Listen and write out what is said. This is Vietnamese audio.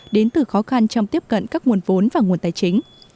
đến từ khó khăn trong tiếp cận các nguồn vốn và nguồn tài chính